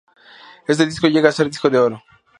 Este disco llega a ser disco de oro.